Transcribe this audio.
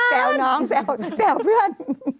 วน้องแซวเพื่อน